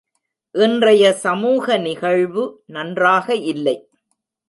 இன்றைய சமூக நிகழ்வு நன்றாக இல்லை.